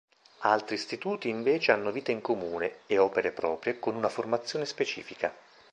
Altri Istituti, invece, hanno vita in comune, e opere proprie con una formazione specifica.